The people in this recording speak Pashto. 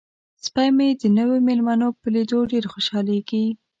سپی مې د نویو میلمنو په لیدو ډیر خوشحالیږي.